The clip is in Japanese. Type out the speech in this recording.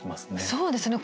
そうですね